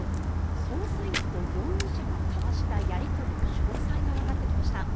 捜査員と容疑者が交わしたやり取りの詳細がわかってきました。